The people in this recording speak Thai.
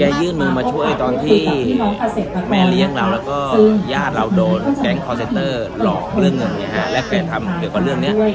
ยื่นมือมาช่วยตอนที่แม่เลี้ยงเราแล้วก็ญาติเราโดนแก๊งคอร์เซนเตอร์หลอกเรื่องเงินและแกทำเกี่ยวกับเรื่องนี้